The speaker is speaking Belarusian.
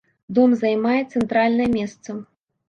Дом займае цэнтральнае месца.